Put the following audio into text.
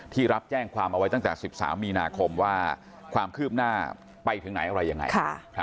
รับแจ้งความเอาไว้ตั้งแต่๑๓มีนาคมว่าความคืบหน้าไปถึงไหนอะไรยังไง